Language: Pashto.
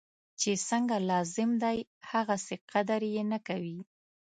چی څنګه لازم دی هغسې قدر یې نه کوي.